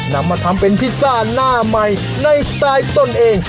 นำมาทำเป็นพิซซ่าหน้าใหม่ในสไตล์ตนเอง